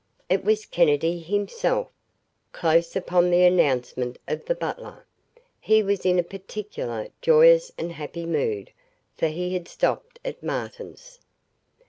It was Kennedy himself, close upon the announcement of the butler. He was in a particularly joyous and happy mood, for he had stopped at Martin's.